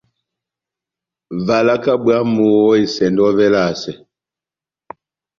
Valaka bwámu ó esɛndɔ yɔvɛ elasɛ.